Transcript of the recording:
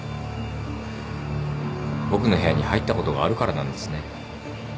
僕の部屋に入ったことがあるからなんですね。